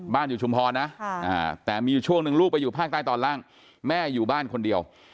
อยู่ชุมพรนะแต่มีอยู่ช่วงหนึ่งลูกไปอยู่ภาคใต้ตอนล่างแม่อยู่บ้านคนเดียว